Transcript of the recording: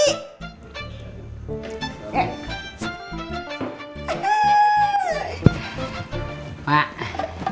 ih lu tuh gimana sih